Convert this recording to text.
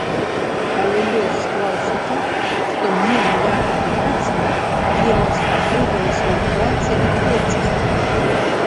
Але лёс склаўся так, што мне мая адукацыя вельмі спатрэбілася ў працы і творчасці.